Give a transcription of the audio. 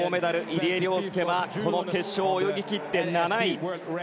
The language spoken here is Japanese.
入江陵介はこの決勝、泳ぎ切って７位。